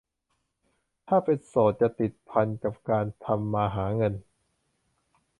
แต่ถ้าเป็นโสดจะติดพันกับการทำมาหาเงิน